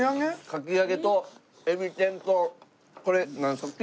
かき揚げとえび天とこれなんですか？